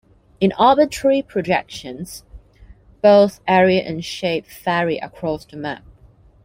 In arbitrary projections, both area and shape vary across the map.